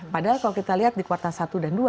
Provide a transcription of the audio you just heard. padahal kalau kita lihat di kuartal satu dan dua